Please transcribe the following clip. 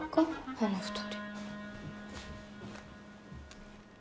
あの２人。